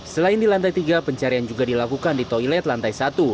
selain di lantai tiga pencarian juga dilakukan di toilet lantai satu